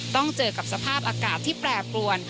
ต้องเจอกับสภาพอากาศที่แปรปรวน